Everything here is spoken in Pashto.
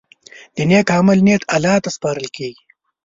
د نیک عمل نیت الله ته سپارل کېږي.